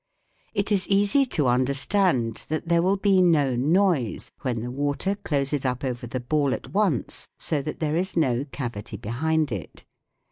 It is easy to understand that there will be no noise when the water closes up over the ball at once, so that there is no cavity behind it.